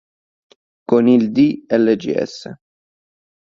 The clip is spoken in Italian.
Con il D. Lgs.